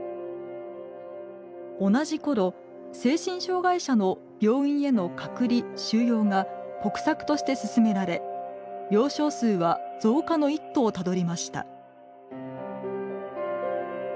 同じ頃精神障害者の病院への隔離収容が国策として進められ病床数は増加の一途をたどりました。